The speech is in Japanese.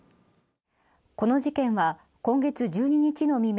この事件は今月１２日の未明